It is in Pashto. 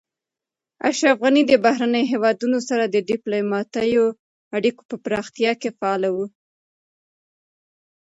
اشرف غني د بهرنیو هیوادونو سره د ډیپلوماتیکو اړیکو په پراختیا کې فعال و.